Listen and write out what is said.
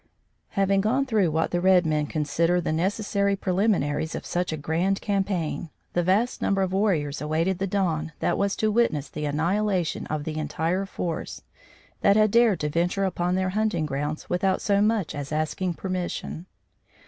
Having gone through what the red men consider the necessary preliminaries of such a grand campaign, the vast number of warriors awaited the dawn that was to witness the annihilation of the entire force that had dared to venture upon their hunting grounds without so much as asking permission.